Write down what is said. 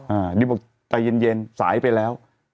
อ๋ออ่าดิวกก็ใจเย็นเย็นสายไปแล้ว